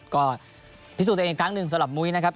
ก็พิสูจน์ตัวเองอีกครั้งหนึ่งสำหรับมุ้ยนะครับ